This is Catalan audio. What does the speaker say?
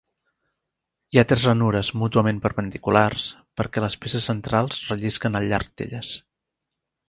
Hi ha tres ranures mútuament perpendiculars perquè les peces centrals rellisquen al llarg d'elles.